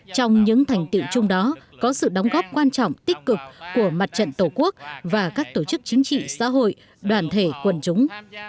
trong những thành tiệu chung đó có sự đóng góp quan trọng tích cực của mặt trận tổ quốc và các tổ chức chính trị xã hội đoàn thể quần chúng